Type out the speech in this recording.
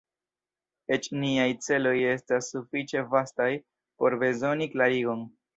Eĉ niaj celoj estas sufiĉe vastaj por bezoni klarigon.